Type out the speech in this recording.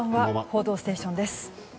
「報道ステーション」です。